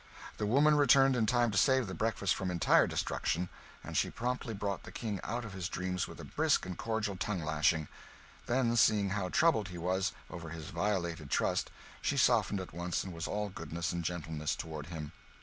The woman returned in time to save the breakfast from entire destruction; and she promptly brought the King out of his dreams with a brisk and cordial tongue lashing. Then, seeing how troubled he was over his violated trust, she softened at once, and was all goodness and gentleness toward him.